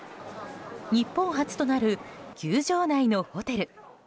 日本初となる球場内のホテル